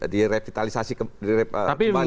di revitalisasi kembali